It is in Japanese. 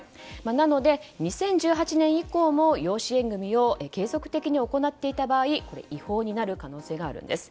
なので、２０１８年以降も養子縁組を継続的に行っていた場合は違法になる可能性があるんです。